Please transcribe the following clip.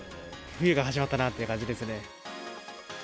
冬が始まったなっていう感じですね。